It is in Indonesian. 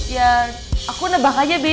ya aku nebak aja deh